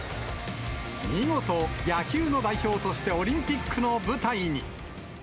見事、野球の代表としてオリンピックの舞台に。